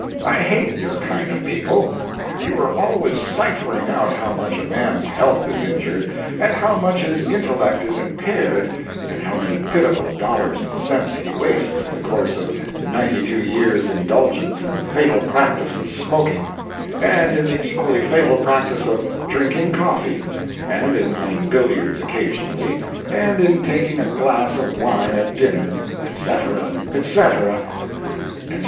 I hate your kind of people. You are always ciphering out how much a man's health is injured, and how much his intellect is impaired, and how many pitiful dollars and cents he wastes in the course of ninety two years' indulgence in the fatal practice of smoking; and in the equally fatal practice of drinking coffee; and in playing billiards occasionally; and in taking a glass of wine at dinner, etc., etc., etc.